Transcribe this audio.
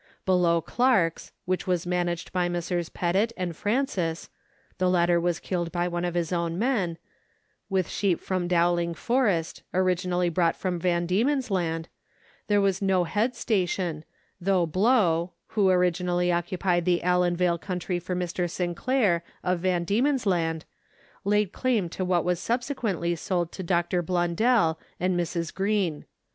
Below Clarke's, which was managed by Messrs. Pettett and Francis (the latter was killed by one of his own men), with sheep from Dowling Forest, originally brought from Van Diemen's Land, there was no head station, though Blow, who originally occupied the Allanvale country for Mr. Sinclair, of Van Diemen's Land, laid claim to what was subse quently sold to Dr. Blundell and Mrs. Greene.